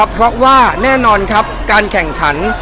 เพราะว่าแน่นอนครับการแข่งขัน